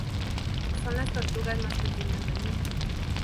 Son las tortugas más pequeñas del mundo.